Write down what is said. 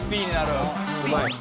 うまい。